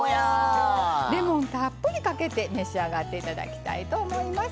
レモンたっぷりかけて召し上がって頂きたいと思います。